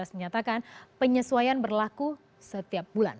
menyatakan penyesuaian berlaku setiap bulan